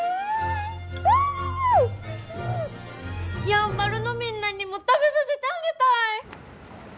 やんばるのみんなにも食べさせてあげたい！